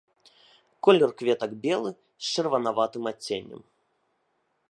Колер кветак белы з чырванаватым адценнем.